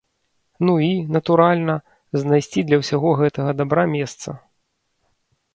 Ну і, натуральна, знайсці для ўсяго гэтага дабра месца.